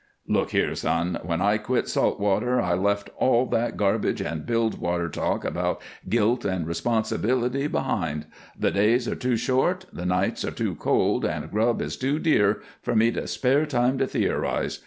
"Look here, son, when I quit salt water I left all that garbage and bilge water talk about 'guilt' and 'responsibility' behind. The days are too short, the nights are too cold, and grub is too dear for me to spare time to theorize.